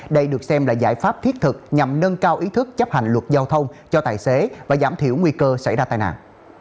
đây được xem là giải pháp thiết thực nhằm nâng cao ý thức chấp hành luật giao thông cho tài xế và giảm thiểu nguy cơ xảy ra tai nạn